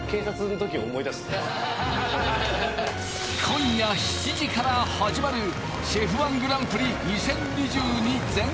今夜７時から始まるＣＨＥＦ−１グランプリ２０２２